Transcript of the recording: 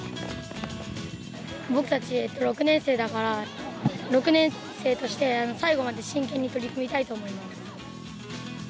僕たち６年生だから、６年生として最後まで真剣に取り組みたいと思います。